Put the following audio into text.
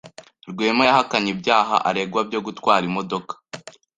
Rwema yahakanye ibyaha aregwa byo gutwara imodoka